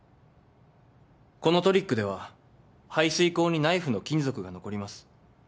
このトリックでは排水口にナイフの金属が残ります。